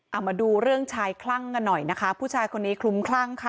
เอามาดูเรื่องชายคลั่งกันหน่อยนะคะผู้ชายคนนี้คลุ้มคลั่งค่ะ